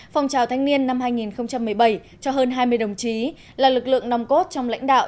phong trào thanh niên năm hai nghìn một mươi bảy cho hơn hai mươi đồng chí là lực lượng nòng cốt trong lãnh đạo